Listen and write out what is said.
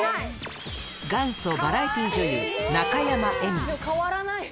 元祖バラエティー女優、中山エミリ。